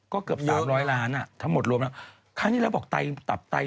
ก็เกือบสามร้อยล้านอ่ะทั้งหมดรวมแล้วคราวนี้แล้วบอกไต่ตับไต่